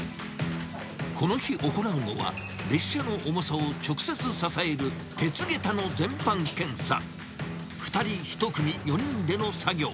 この日行うのは、列車の重さを直接支える鉄げたの全般検査。